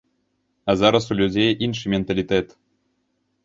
А зараз у людзей іншы менталітэт.